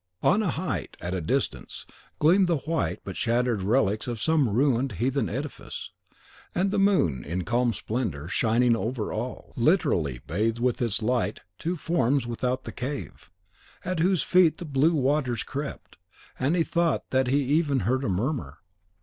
On a height, at a distance, gleamed the white but shattered relics of some ruined heathen edifice; and the moon, in calm splendour, shining over all, literally bathed with its light two forms without the cave, at whose feet the blue waters crept, and he thought that he even heard them murmur.